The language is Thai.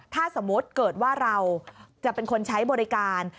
ถ้าสมมุติเกิดว่าเราจะเป็นคนใช้บริการ